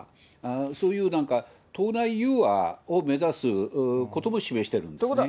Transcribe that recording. そういうなんか、党内融和を目指すことも示してるんですね。